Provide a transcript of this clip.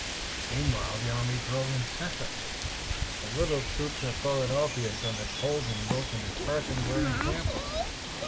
Meanwhile the army drilled incessantly. The little troop of Philadelphians under Colden, Wilton and Carson were an example.